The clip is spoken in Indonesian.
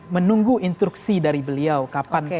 menunggu instruksi dari beliau kapan